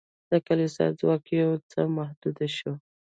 د کلیسا ځواک یو څه محدود شو.